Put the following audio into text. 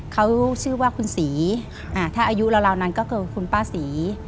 เขาชื่อว่าคุณศรีถ้าอายุราวนั้นก็คือคุณป้าศรี